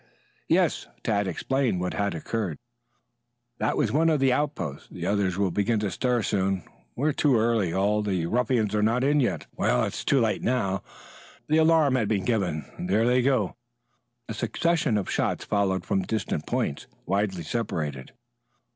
"Yes." Tad explained what had occurred. "That was one of the outposts. The others will begin to stir soon. We are too early. All the ruffians are not in yet. Well, it's too late now. The alarm has been given. There they go!" A succession of shots followed from distant points, widely separated.